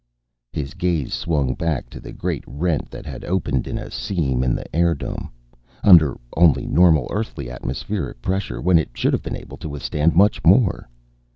His gaze swung back to the great rent that had opened in a seam in the airdome under only normal Earthly atmospheric pressure, when it should have been able to withstand much more.